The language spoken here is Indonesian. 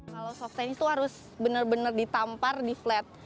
kalau soft sense itu harus benar benar ditampar di flat